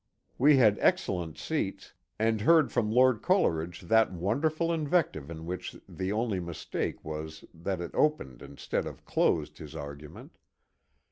We had excellent seats, and heard from Lord Coleridge that wonderful invective in which the only mistake was that it opened instead of closed his argument.